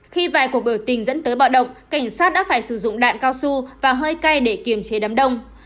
khi vài cuộc biểu tình dẫn tới bạo động cảnh sát đã phải sử dụng đạn cao su và hơi cay để kiềm chế đám đông